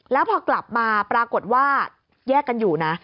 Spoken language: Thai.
แล้วพอกลับมาปรากฏว่าแยกกันอยู่นะ